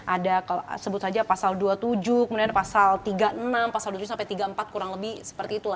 ada sebut saja pasal dua puluh tujuh kemudian ada pasal tiga puluh enam pasal dua puluh tujuh sampai tiga puluh empat kurang lebih seperti itu